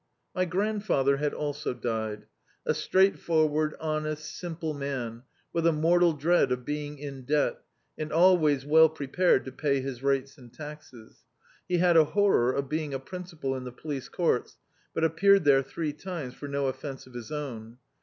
My grandfather had also died ; a straightforward, honest, simple man, with a mortal dread of being in debt, and always well prepared to pay his rates and taxes. He had a honor of being a principal in the police courts, but appeared there three times for no offence of his own.